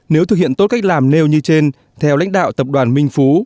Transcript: nếu thực hiện tốt cách làm nêu như trên theo lãnh đạo tập đoàn minh phú